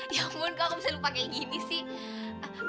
ya ampun kok aku bisa lupa kayak gini sih